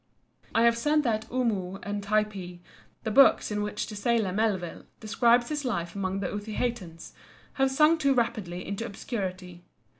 I have said that "Omoo" and "Typee," the books in which the sailor Melville describes his life among the Otaheitans, have sunk too rapidly into obscurity.